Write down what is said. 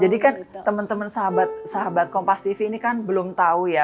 jadi kan teman teman sahabat kompastv ini kan belum tahu ya